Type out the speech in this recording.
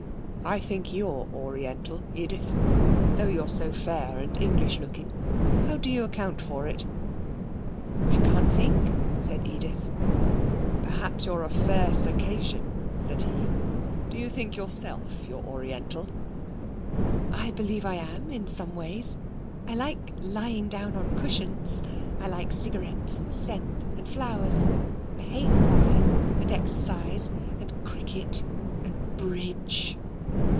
I think you're Oriental, Edith. Though you're so fair and English looking. How do you account for it?' 'I can't think,' said Edith. 'Perhaps you're a fair Circassian,' said he. 'Do you think yourself you're Oriental?' 'I believe I am, in some ways. I like lying down on cushions. I like cigarettes, and scent, and flowers. I hate wine, and exercise, and cricket, and bridge.'